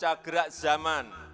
membaca gerak zaman